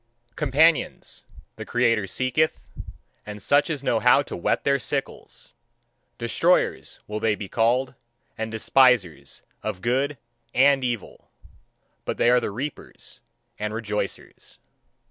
Companions, the creator seeketh, and such as know how to whet their sickles. Destroyers, will they be called, and despisers of good and evil. But they are the reapers and rejoicers.